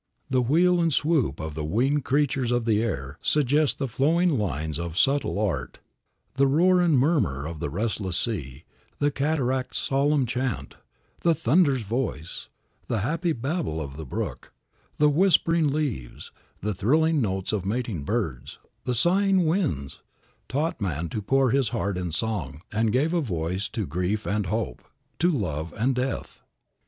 The wheel and swoop of the winged creatures of the air suggest the flowing lines of subtle art. The roar and murmur of the restless sea, the cataract's solemn chant, the thunder's voice, the happy babble of the brook, the whispering leaves, the thrilling notes of mating birds, the sighing winds, taught man to pour his heart in song and gave a voice to grief and hope, to love and death.